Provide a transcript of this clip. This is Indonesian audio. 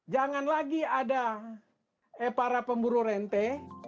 jangan lagi ada para pemburu rente